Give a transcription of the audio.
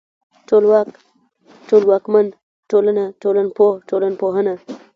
ټولواک ، ټولواکمن، ټولنه، ټولنپوه، ټولنپوهنه